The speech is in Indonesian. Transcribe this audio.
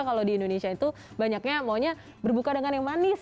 kalau di indonesia itu banyaknya maunya berbuka dengan yang manis